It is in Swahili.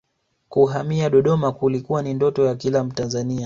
kuhamia dodo kulikuwa ni ndoto ya kila mtanzania